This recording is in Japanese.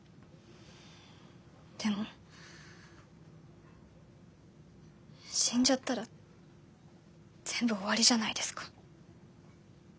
でも死んじゃったら全部終わりじゃないですか。